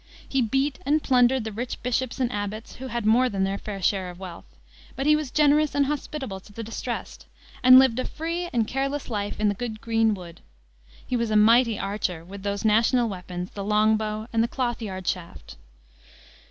He beat and plundered the rich bishops and abbots, who had more than their share of wealth, but he was generous and hospitable to the distressed, and lived a free and careless life in the good green wood. He was a mighty archer, with those national weapons, the long bow and the cloth yard shaft.